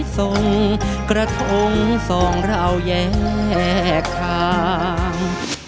ส่งกระทงส่งเราแยกทาง